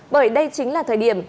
bởi đây chính là thời điểm